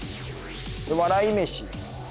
笑い飯。